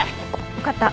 分かった。